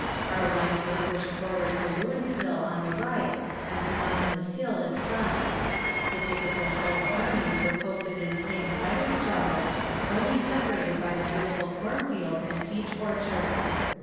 Our lines were pushed forward to Lewinsville on the right, and to Munson's Hill in front. The pickets of both armies were posted in plain sight of each other, only separated by the beautiful corn fields and peach orchards.